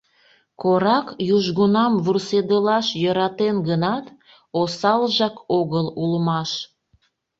Корак южгунам вурседылаш йӧратен гынат, осалжак огыл улмаш.